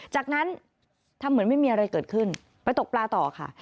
จากนั้นทำเหมือนไม่มีอะไรเกิดขึ้นไปตกปลาต่อค่ะ